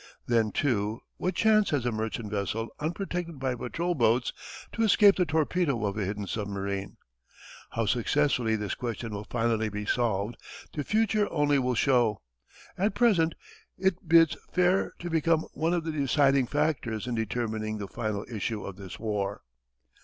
Then, too, what chance has a merchant vessel unprotected by patrol boats to escape the torpedo of a hidden submarine? How successfully this question will finally be solved, the future only will show. At present it bids fair to become one of the deciding factors in determining the final issue of this war.